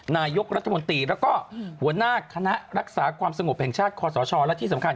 นายกรัฐมนตรีแล้วก็หัวหน้าคณะรักษาความสงบแห่งชาติคอสชและที่สำคัญ